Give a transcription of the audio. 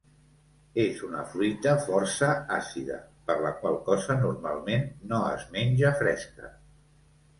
És una fruita força àcida, per la qual cosa normalment no es menja fresca.